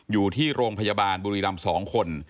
อยู่ที่โรงพยาบาลบุรีรำ๒คน